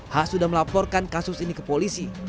h sudah melaporkan kasus ini ke polisi